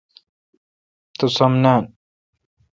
تو سم نان۔